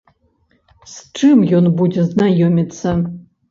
З чым ён будзе знаёміцца?